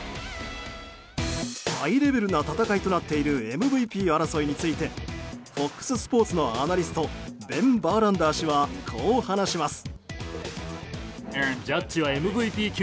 ハイレベルな戦いとなっているＭＶＰ争いについてＦＯＸスポーツのアナリストベン・バーランダー氏はこう話します。